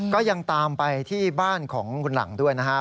ก็ยังตามไปที่บ้านของคุณหลังด้วยนะฮะ